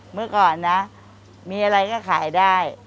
เมื่อก่อนนะมีอะไรก็ขายได้